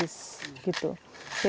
itu tidak menimbulkan kerusakan ekologi